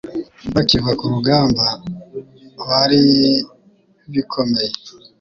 bakiva ku rugamba baribikomeye